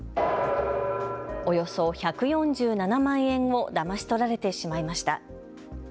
およそ１４７万円をだまし取られてしまいました。